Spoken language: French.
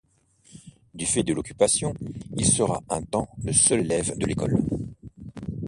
Du fait de l'Occupation, il sera un temps le seul élève de l'école.